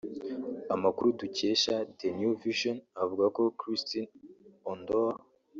Amakuru dukesha the New vision avuga ko Christine Ondoa